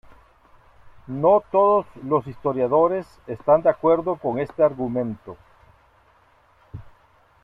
No todos los historiadores están de acuerdo con este argumento.